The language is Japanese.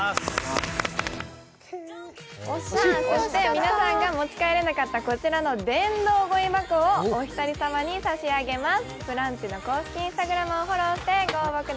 皆さんが持ち帰れなかったこちらの電動ごみ箱をお一人様に差し上げます。